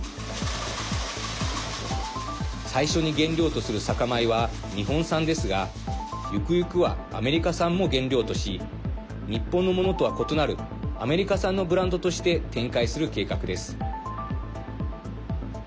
最初に原料とする酒米は日本産ですがゆくゆくはアメリカ産も原料とし日本のものとは異なるアメリカ産のブランドとして展開する計画です。